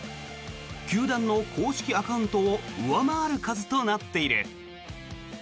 球団の公式アカウントを上回る数となっている。